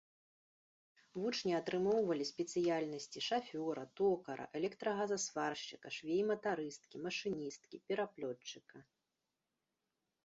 Вучні атрымоўвалі спецыяльнасці шафёра, токара, электрагазазваршчыка, швеі-матарысткі, машыністкі, пераплётчыка.